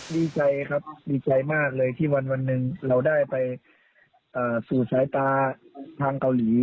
ดีใจครับดีใจมากเลยที่วันหนึ่งเราได้ไปสู่สายตาทางเกาหลี